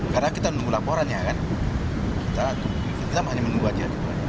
karena kita menunggu laporannya kan kita hanya menunggu aja